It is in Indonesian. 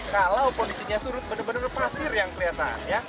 kalau posisinya surut benar benar pasir yang ternyata ya